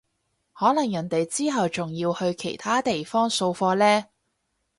可能人哋之後仲要去其他地方掃貨呢